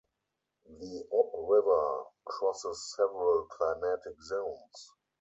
The Ob River crosses several climatic zones.